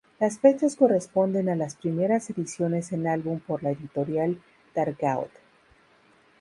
Las fechas corresponden a las primeras ediciones en álbum por la editorial Dargaud.